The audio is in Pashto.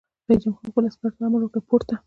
رئیس جمهور خپلو عسکرو ته امر وکړ؛ پورته!